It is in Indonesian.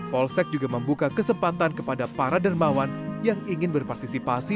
polsek juga membuka kesempatan kepada para dermawan yang ingin berpartisipasi